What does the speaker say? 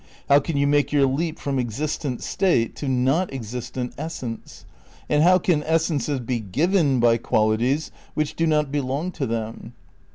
How can you make your leap from existent state, to not existent essence? And how can essences be "given" by qualities which do not belong to them?